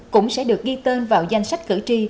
cũng sẽ được ghi tên vào danh sách cử tri